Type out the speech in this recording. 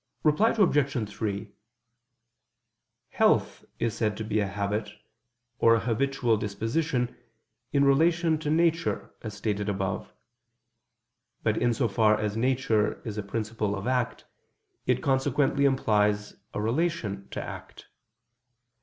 Reply Obj. 3: Health is said to be a habit, or a habitual disposition, in relation to nature, as stated above. But in so far as nature is a principle of act, it consequently implies a relation to act.